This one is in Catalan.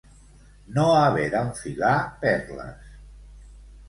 No haver d'enfilar perles.